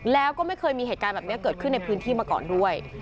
แล้วก็ไม่เคยมีเหตุการณ์แบบนี้เกิดขึ้นในพื้นที่มาก่อนด้วย